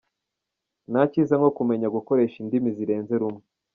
Nta cyiza nko kumenya gukoresha indimi zirenze rumwe